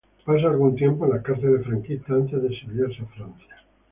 Pasa algún tiempo en las cárceles franquistas antes de exiliarse a Francia.